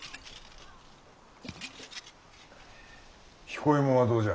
彦右衛門はどうじゃ？